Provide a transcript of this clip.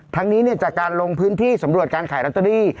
ทั้งนี้จากการลงพื้นที่สำรวจการขายลอตเตอรี่